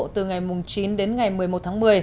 từ ngày chín đến ngày một mươi một tháng một mươi